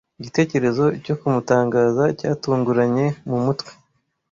Igitekerezo cyo kumutangaza cyatunguranye mu mutwe.